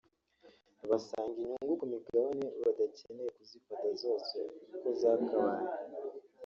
basanga inyungu ku migabane badakeneye kuzifata zose uko zakabaye